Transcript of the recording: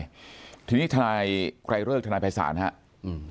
เป็นยังไงทีนี้ธนายใกล้เริกธนายภายศาลฮะอืม